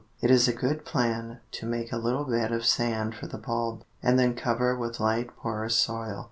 It is a good plan to make a little bed of sand for the bulb, and then cover with light porous soil.